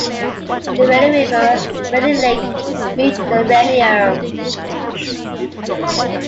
The Rainy River and Rainy Lake meet at Ranier.